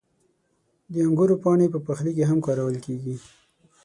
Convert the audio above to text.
• د انګورو پاڼې په پخلي کې هم کارول کېږي.